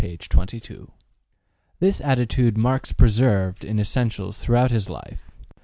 22. This attitude Marx preserved in essentials throughout his life.